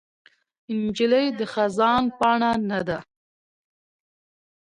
نجلۍ د خزان پاڼه نه ده.